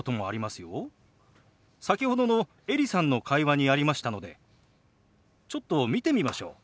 先ほどのエリさんの会話にありましたのでちょっと見てみましょう。